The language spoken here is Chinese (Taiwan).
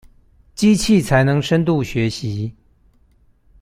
機器才能深度學習